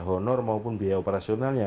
honor maupun biaya operasionalnya